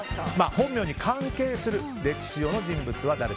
本名に関係する歴史上の人物は誰？